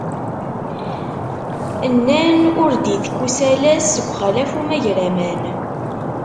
Nnan ur d-itekk usalas, seg uxalaf umagraman.